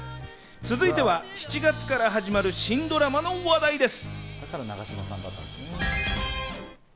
続いては７月から始まる新ドラマの話題です。